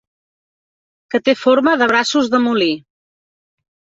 Que té forma de braços de molí.